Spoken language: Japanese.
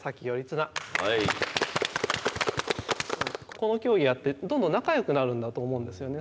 この競技をやってどんどん仲よくなるんだと思うんですよね。